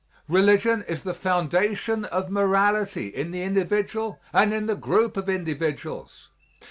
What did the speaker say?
Religion is the foundation of morality in the individual and in the group of individuals.